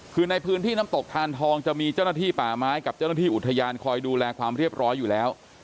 คือในพื้นที่น้ำตกทานทองจะมีเจ้าหน้าที่ป่าไม้กับเจ้าหน้าที่อุทยานคอยดูแลความเรียบร้อยอยู่แล้ว